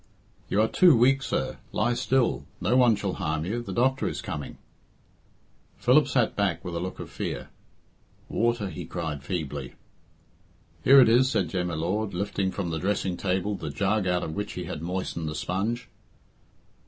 "You are too weak, sir. Lie still. No one shall harm you. The doctor is coming." Philip sank back with a look of fear. "Water," he cried feebly. "Here it is," said Jem y Lord, lifting from the dressing table the jug out of which he had moistened the sponge.